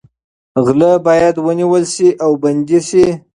غله باید ونیول شي او بندي شي.